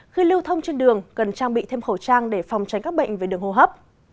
khi lưu thông trên đường cần trang bị thêm khẩu trang để phòng tránh các bệnh về đường hô hấp